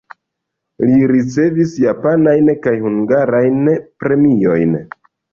Li ricevis japanajn kaj hungarajn premiojn.